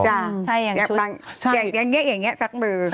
ใช่อย่างชุดอย่างนี้อย่างนี้ซักมือ